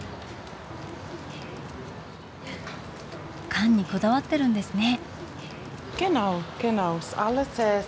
缶にこだわってるんですね。